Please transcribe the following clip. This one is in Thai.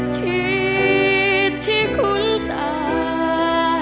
ทีที่คุ้นตาย